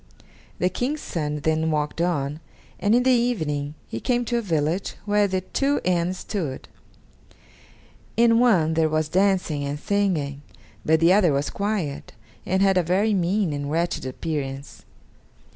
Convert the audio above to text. The King's son then walked on, and in the evening he came to a village where the two inns stood: in one there was dancing and singing, but the other was quiet, and had a very mean and wretched appearance.